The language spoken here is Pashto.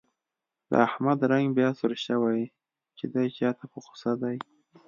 د احمد رنګ بیا سور شوی، چې دی چا ته په غوسه دی.